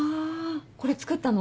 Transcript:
これ作ったの？